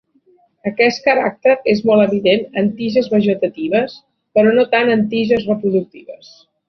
Aquest caràcter és molt evident en tiges vegetatives però no tant en tiges reproductives.